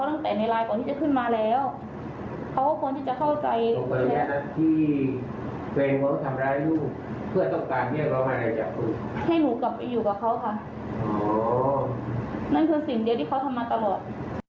นั่นคือสิ่งเดียวที่เขาทำมาตลอด